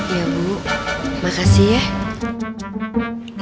iya bu makasih ya